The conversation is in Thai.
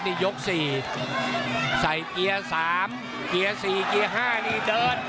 นี่ยกสี่ใส่เกียร์สามเกียร์สี่เกียร์ห้านี่เดิน